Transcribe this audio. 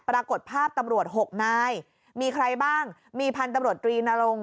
ปรากฏภาพตำรวจ๖นายมีใครบ้างมีพันธุ์ตำรวจตรีนรง